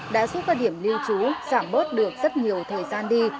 đã giúp các điểm lưu trú giảm bớt được rất nhiều thời gian đi